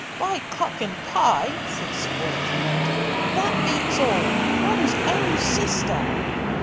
"By cock and pie," said spoilt Ned, "that beats all! One's own sister!"